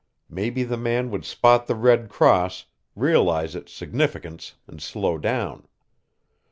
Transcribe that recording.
Maybe the man would spot the red cross, realize its significance, and slow down.